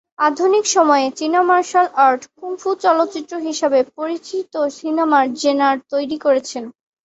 আধুনিক সময়ে, চীনা মার্শাল আর্ট কুংফু চলচ্চিত্র হিসাবে পরিচিত সিনেমার জেনার তৈরি করেছে।